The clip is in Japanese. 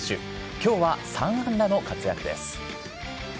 きょうは３安打の活躍です。